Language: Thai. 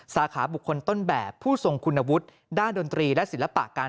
สาขาบุคคลต้นแบบผู้ทรงคุณวุฒิด้านดนตรีและศิลปะการ